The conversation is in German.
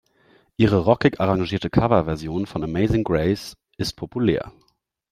Ihre rockig arrangierte Coverversion von "Amazing Grace" ist populär.